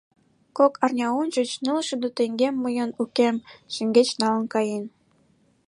— Кок арня ончыч ныл шӱдӧ теҥгем мыйын укем шеҥгеч налын каен.